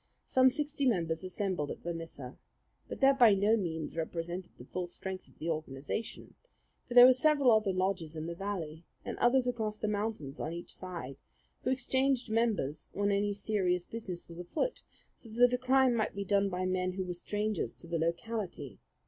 Some sixty members assembled at Vermissa; but that by no means represented the full strength of the organization, for there were several other lodges in the valley, and others across the mountains on each side, who exchanged members when any serious business was afoot, so that a crime might be done by men who were strangers to the locality.